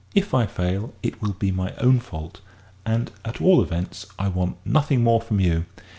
If I fail, it will be my own fault. And, at all events, I want nothing more from you.